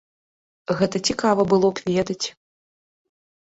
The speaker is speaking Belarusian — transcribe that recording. Гэта цікава было б ведаць.